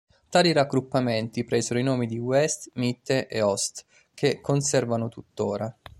Tali raggruppamenti presero i nomi "West", "Mitte" e "Ost" che conservano tuttora.